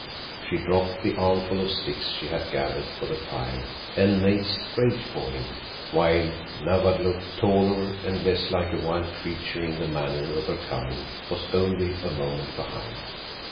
She dropped the armful of sticks she had gathered for the fire and made straight for him, while Nawadlook, taller and less like a wild creature in the manner of her coming, was only a moment behind.